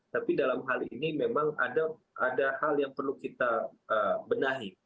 tapi dalam hal ini memang ada hal yang perlu kita benahi